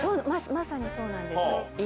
まさにそうなんです。